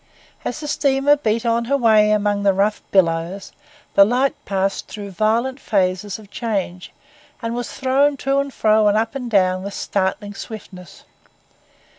As the steamer beat on her way among the rough billows, the light passed through violent phases of change, and was thrown to and fro and up and down with startling swiftness.